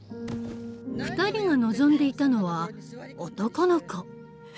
２人が望んでいたのは男の子。